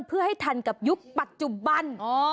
เพื่อให้ทันกับยุคปัจจุบัน